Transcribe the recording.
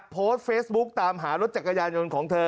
โพสต์เฟซบุ๊กตามหารถจักรยานยนต์ของเธอ